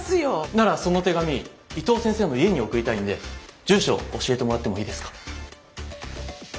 ならその手紙伊藤先生の家に送りたいんで住所教えてもらってもいいですか？